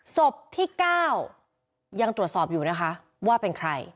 ศพที่๙ยังตรวจสอบอยู่นะคะว่าเป็นใคร